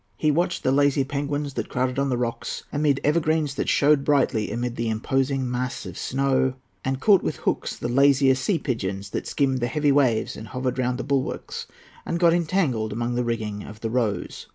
He watched the lazy penguins that crowded on the rocks, among evergreens that showed brightly amid the imposing mass of snow, and caught with hooks the lazier sea pigeons that skimmed the heavy waves and hovered round the bulwarks and got entangled among the rigging of the Rose.